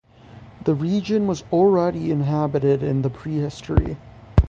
The region was already inhabited in the prehistory.